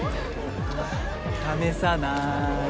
試さない